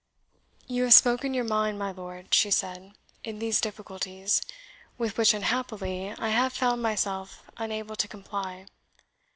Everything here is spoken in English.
"You have spoken your mind, my lord," she said, "in these difficulties, with which, unhappily, I have found myself unable to comply.